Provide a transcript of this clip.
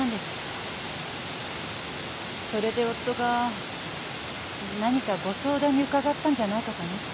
それで夫が何かご相談に伺ったんじゃないかと思って。